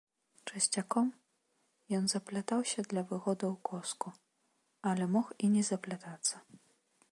Часцяком ён заплятаўся для выгоды ў коску, але мог і не заплятацца.